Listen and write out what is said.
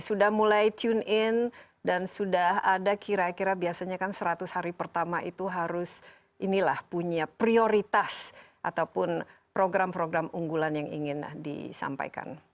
sudah mulai tune in dan sudah ada kira kira biasanya kan seratus hari pertama itu harus inilah punya prioritas ataupun program program unggulan yang ingin disampaikan